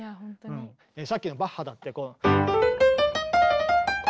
さっきのバッハだって。